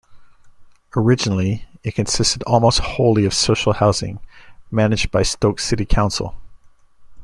Originally, it consisted almost wholly of social housing, managed by Stoke City Council.